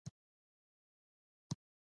خلق د اورېدو دپاره راتللو